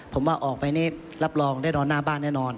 ผมว่าออกไปนี่รับรองได้นอนหน้าบ้านแน่นอน